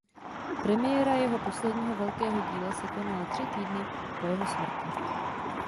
Premiéra jeho posledního velkého díla se konala tři týdny po jeho smrti.